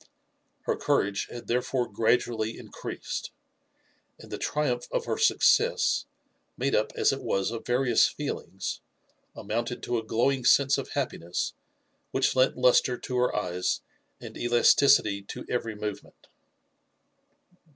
Her courage had therefore gradually increased ; and the triumph of her success, made up as it was of various feelings, amounted to a glowing sense of happiness which lent lustre to her eyes and elasticity to every movement.